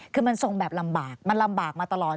คือมันทรงแบบลำบากมันลำบากมาตลอด